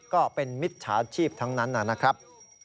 ก็เป็นมิจฉาชีพทั้งนั้นนะครับ